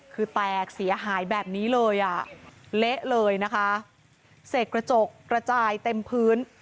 คือแตกเสียหายแบบนี้เลยอ่ะเละเลยนะคะเสกกระจกกระจายเต็มพื้น